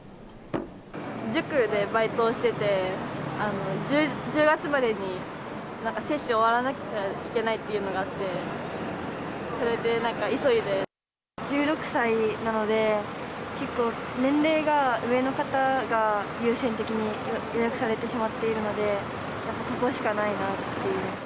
塾でバイトをしてて、１０月までになんか接種終わらなきゃいけないっていうのがあって、１６歳なので、結構、年齢が上の方が優先的に予約されてしまっているので、ここしかないなという。